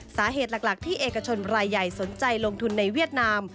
สาเหตุหลักที่เอกชนรายใหญ่สนใจลงทุนในเวียดนาม